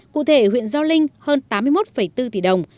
cụ thể huyện gio linh hơn tám mươi một bốn tỷ đồng